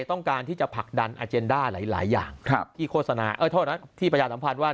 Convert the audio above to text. ต้องการที่จะผลักดันอาเจนด้าหลายหลายอย่างครับที่โฆษณาเออโทษนะที่ประชาสัมพันธ์ว่า